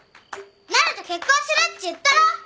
なると結婚するっち言ったろ！？